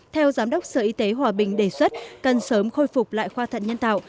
theo giám đốc sở y tế hòa bình đề xuất cần sớm khôi phục lại khoa thận nhân tạo